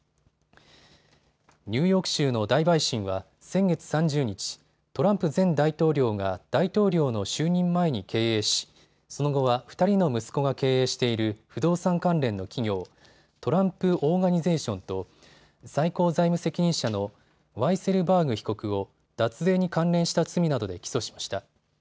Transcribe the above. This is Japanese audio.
ニューヨーク州の大陪審は先月３０日、トランプ前大統領が大統領の就任前に経営しその後は２人の息子が経営している不動産関連の企業、トランプ・オーガニゼーションと最高財務責任者のワイセルバーグ被告を脱税に関連した罪などで起訴しました。